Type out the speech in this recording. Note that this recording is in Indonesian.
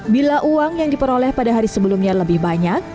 bila uang yang diperoleh pada hari sebelumnya lebih banyak